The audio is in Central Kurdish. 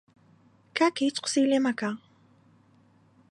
کاکە هیچ قسەی لێ مەکە!